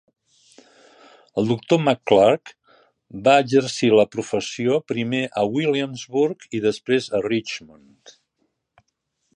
El doctor McClurg va exercir la professió primer a Williamsburg i després a Richmond.